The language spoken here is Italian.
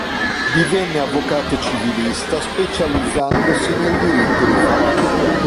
Divenne avvocato civilista specializzandosi nel diritto di famiglia.